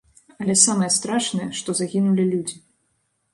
Але самае страшнае, што загінулі людзі.